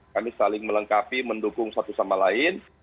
kami saling melengkapi mendukung satu sama lain